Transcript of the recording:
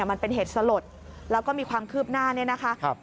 มันเป็นเหตุสลดแล้วก็มีความคืบหน้า